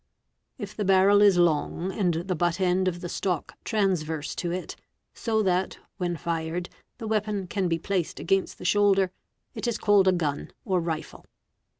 If the barrel is long and the butt end of the stock transyerse to it, so that, when fired, the weapon can be placed against the shoulder, it is called a gun or rifle.